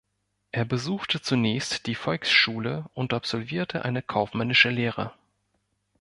Er besuchte zunächst die Volksschule und absolvierte eine kaufmännische Lehre.